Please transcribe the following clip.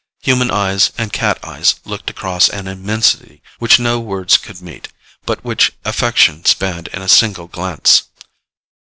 Human eyes and cat eyes looked across an immensity which no words could meet, but which affection spanned in a single glance.